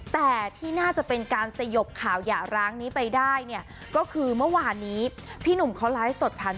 แต่ที่น่าจะเป็นการสยบข่าวหย่าร้างนี้ไปได้เนี่ยก็คือเมื่อวานนี้พี่หนุ่มเขาไลฟ์สดผ่าน